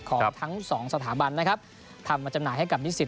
ของทั้ง๒สถาบันทำมาจำหน่ายให้กับนิทธิ์ศิษฐ์